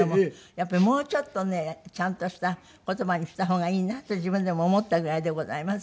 やっぱりもうちょっとねちゃんとした言葉にした方がいいなと自分でも思ったぐらいでございます。